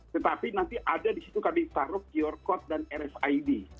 tetapi nanti ada di situ kami taruh qr code dan rfid